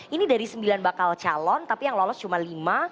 ini dari sembilan bakal calon tapi yang lolos cuma lima